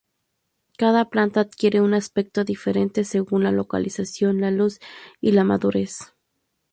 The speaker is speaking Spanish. Cada planta adquiere un aspecto diferente según la localización, la luz y la madurez.